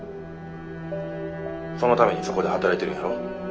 そのためにそこで働いてるんやろ？